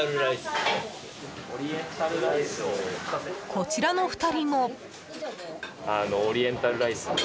こちらの２人も。